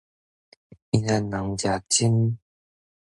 宜蘭人食精